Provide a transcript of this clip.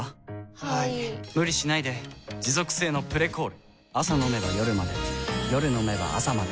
はい・・・無理しないで持続性の「プレコール」朝飲めば夜まで夜飲めば朝まで